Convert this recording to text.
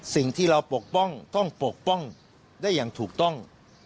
สิ่งที่เราปกป้องต้องปกป้องได้อย่างถูกต้อง